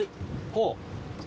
ほう。